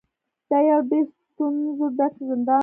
دا یو ډیر ستونزو ډک زندان و.